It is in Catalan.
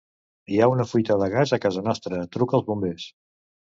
Hi ha una fuita de gas a casa nostra; truca als bombers.